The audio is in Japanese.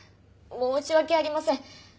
申し訳ありません。